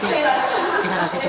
kita pembinaan kita pembinaan